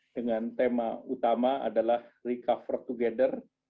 dengan tema utama adalah recover together